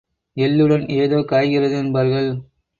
எள்ளுடன் ஏதோ காய்கிறது என்பார்கள்.